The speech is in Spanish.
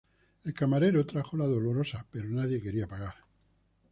El camarero trajo la dolorosa pero nadie quería pagar